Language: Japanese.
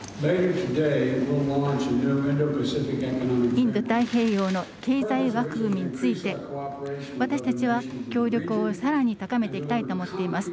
インド太平洋の経済枠組みについて私たちは協力をさらに高めていきたいと思っています。